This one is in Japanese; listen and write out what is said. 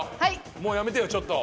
もうやめてよちょっと。